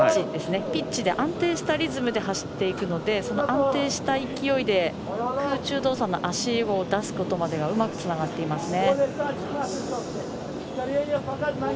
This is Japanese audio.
ピッチが安定したリズムで走っていくので安定した勢いで、空中動作の足を出すことまでがうまくつながっていますね。